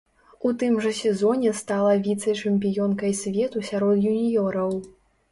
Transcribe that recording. У тым жа сезоне стала віцэ-чэмпіёнкай свету сярод юніёраў.